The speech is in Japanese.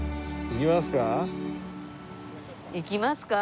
行きますか？